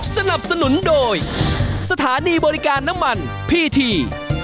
สนับสนุนโดยสถานีบริการน้ำมันพีที